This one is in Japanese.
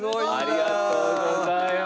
ありがとうございます。